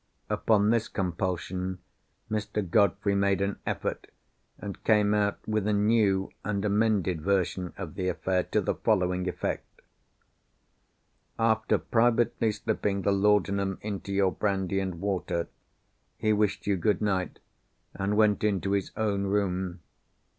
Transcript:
Upon this compulsion, Mr. Godfrey made an effort, and came out with a new and amended version of the affair, to the following effect. After privately slipping the laudanum into your brandy and water, he wished you good night, and went into his own room.